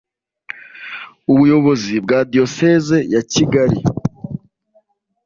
ubuyobozi bwa diyoseze ya kigali